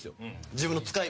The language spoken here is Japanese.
「自分の使い。